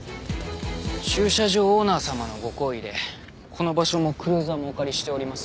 駐車場オーナー様のご厚意でこの場所もクルーザーもお借りしております。